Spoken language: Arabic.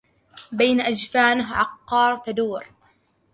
بين أجفانه عقار تدور